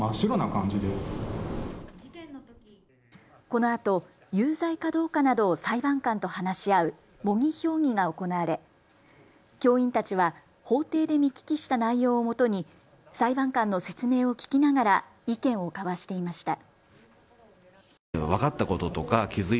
このあと有罪かどうかなどを裁判官と話し合う模擬評議が行われ教員たちは法廷で見聞きした内容をもとに裁判官の説明を聞きながら意見を交わしていました。